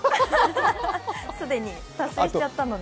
既に達成しちゃったので。